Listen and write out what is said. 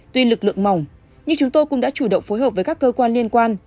tuy lực lượng mỏng nhưng chúng tôi cũng đã chủ động phối hợp với các cơ quan liên quan